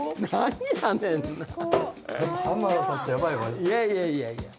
いやいやいやいや。